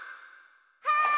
はい！